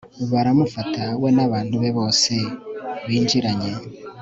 baramufata, we n'abantu be bose binjiranye